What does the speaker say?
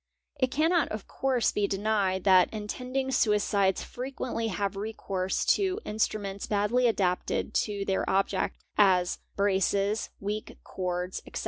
It cannot of course be denied that intending suicides frequently have recourse to instruments badly adapted to their object (as braces, weak cords, etc.)